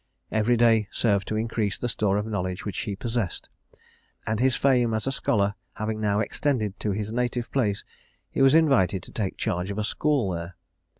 Every day served to increase the store of knowledge which he possessed, and his fame as a scholar having now extended to his native place, he was invited to take charge of a school there.